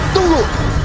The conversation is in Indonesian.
tunggu